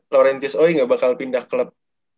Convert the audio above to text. laurentius oi gak bakal pindah klub